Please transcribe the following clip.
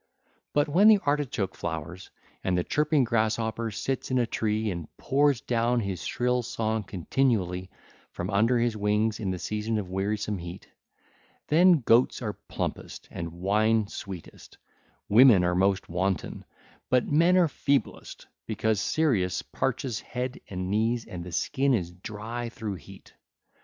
(ll. 582 596) But when the artichoke flowers 1327, and the chirping grass hopper sits in a tree and pours down his shrill song continually from under his wings in the season of wearisome heat, then goats are plumpest and wine sweetest; women are most wanton, but men are feeblest, because Sirius parches head and knees and the skin is dry through heat.